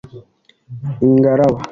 Ingaraba